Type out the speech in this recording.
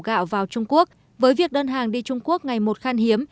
gạo vào trung quốc với việc đơn hàng đi trung quốc ngày một khan hiếm